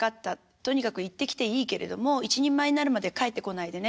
とにかく行ってきていいけれども一人前になるまでは帰ってこないでね」